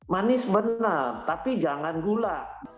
manis benar tapi jangan gula